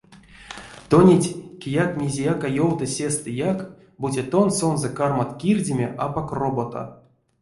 Тонеть кияк мезеяк а ёвты сестэяк, бути тон сонзэ кармат кирдеме апак робота.